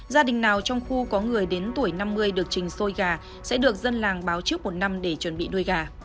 gia đình nào trong khu có người đến tuổi năm mươi được trình xôi gà sẽ được dân làng báo trước một năm để chuẩn bị nuôi gà